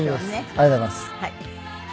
ありがとうございます。